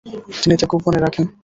তিনি তা গোপন রাখেন।